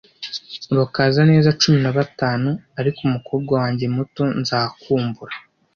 Urakaza neza cumi na batatu, ariko umukobwa wanjye muto nzakumbura.